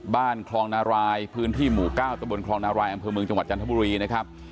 บ้านคลองนารายพื้นที่หมู่๙ตะบนคลองนารายอำเภอเมืองจังหวัดจันทบุรีนะครับ